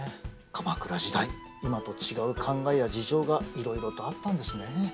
鎌倉時代今と違う考えや事情がいろいろとあったんですねえ。